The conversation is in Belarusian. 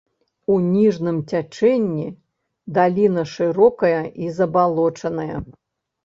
У ніжнім цячэнні даліна шырокая і забалочаная.